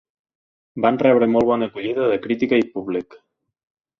Van rebre molt bona acollida de crítica i públic.